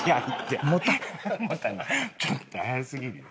ちょっと早すぎるよ。